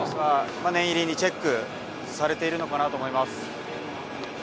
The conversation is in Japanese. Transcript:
念入りにチェックされているのかなと思います。